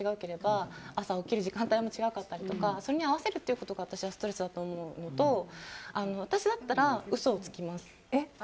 朝起きる時間帯も違ったりとかそれに合わせるということだとストレスになると思うのと私だったら嘘をつきます。